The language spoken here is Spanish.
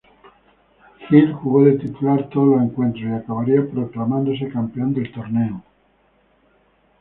Gil jugó de titular todos los encuentros, y acabaría proclamándose campeón del torneo.